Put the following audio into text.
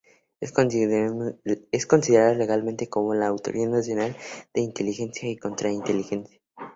Es considerado legalmente como la Autoridad Nacional de Inteligencia y Contrainteligencia.